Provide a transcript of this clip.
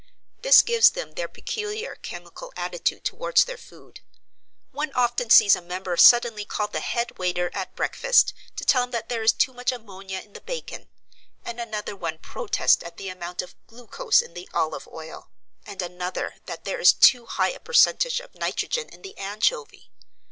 This gives them their peculiar chemical attitude towards their food. One often sees a member suddenly call the head waiter at breakfast to tell him that there is too much ammonia in the bacon; and another one protest at the amount of glucose in the olive oil; and another that there is too high a percentage of nitrogen in the anchovy.